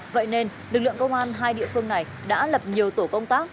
vậy nên lực lượng công an hai địa phương này đã lập nhiều tổ công tác